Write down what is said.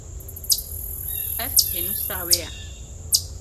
Ev, pênûsa wê ye.